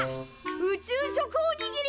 宇宙食おにぎり！